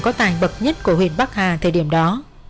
có tài bậc nhất của huyện bắc hà thời điểm đó